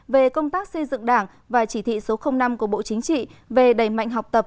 về công tác xây dựng đảng và chỉ thị số năm của bộ chính trị về đẩy mạnh học tập